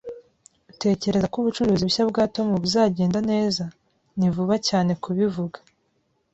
"Utekereza ko ubucuruzi bushya bwa Tom buzagenda neza?" "Ni vuba cyane kubivuga."